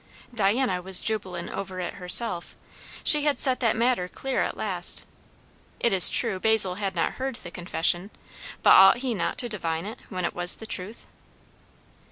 Diana was jubilant over it herself; she had set that matter clear at last. It is true, Basil had not heard the confession, but ought he not to divine it, when it was the truth?